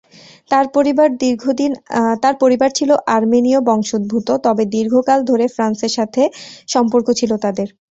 তার পরিবার ছিলো আর্মেনীয় বংশোদ্ভুত, তবে দীর্ঘকাল ধরে ফ্রান্সের সাথে সম্পর্ক ছিলো তাদের।